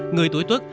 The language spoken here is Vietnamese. người tuổi tuốt